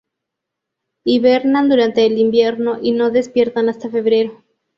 Hibernan durante el invierno y no despiertan hasta febrero.